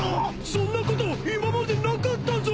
そんなこと今までなかったぞ！